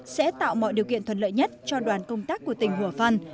sẽ tạo mọi điều kiện thuận lợi nhất cho đoàn công tác của tỉnh hồ phan